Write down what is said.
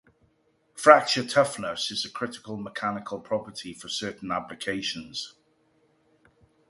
Fracture toughness is a critical mechanical property for certain applications.